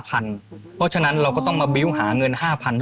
เพราะฉะนั้นเราก็ต้องมาบิ้วหาเงิน๕๐๐